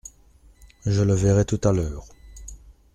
Je le verrai tout à l’heure.